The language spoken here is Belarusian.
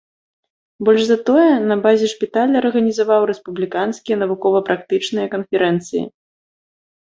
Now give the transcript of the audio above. Больш за тое, на базе шпіталя арганізаваў рэспубліканскія навукова-практычныя канферэнцыі.